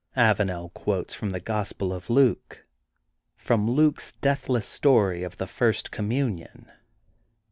Avanel quotes from the Gospel of Luke,— from Luke *s deathless story of the first com munion.